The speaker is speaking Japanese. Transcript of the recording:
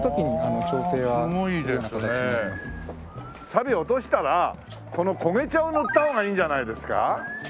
さび落としたらこの焦げ茶を塗った方がいいんじゃないですか？